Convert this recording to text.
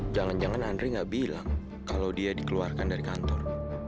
jangan jangan andre nggak bilang kalau dia dikeluarkan dari kantor